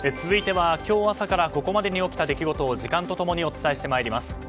続いては、今日朝からここまでに起きた出来事を時間と共にお伝えしてまいります。